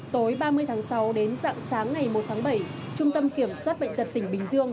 tối ba mươi tháng sáu đến dạng sáng ngày một tháng bảy trung tâm kiểm soát bệnh tật tỉnh bình dương